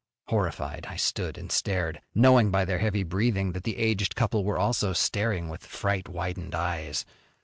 Horrified I stood and stared, knowing by their heavy breathing that the aged couple were also staring with fright widened eyes.